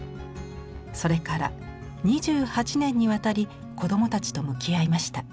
それから２８年にわたり子どもたちと向き合いました。